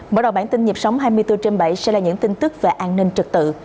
mở đầu bản tin nhịp sống hai mươi bốn trên bảy sẽ là những tin tức về an ninh trật tự